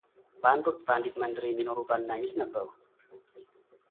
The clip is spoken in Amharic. በአንድ ወቅት በአንዲት መንደር የሚኖሩ ባልና ሚስት ነበሩ፡፡